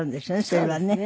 それはね。